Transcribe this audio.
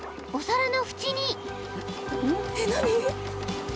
お皿の縁に］